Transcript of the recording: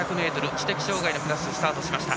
知的障がいのクラススタートしました。